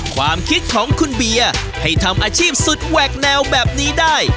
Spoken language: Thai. ความคิดของคุณเบียร์ให้ทำอาชีพสุดแหวกแนวแบบนี้ได้